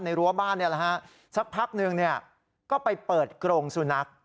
รั้วบ้านนี่แหละฮะสักพักหนึ่งก็ไปเปิดกรงสุนัข